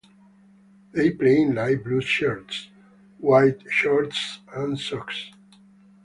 They play in light blue shirts, white shorts and socks.